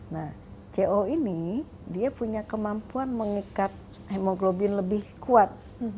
nah co ini dia punya kemampuan mengikat hemoglobin lebih kuat